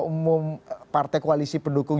umum partai koalisi pendukung